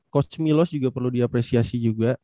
coach milos juga perlu diapresiasi juga